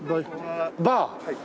バー？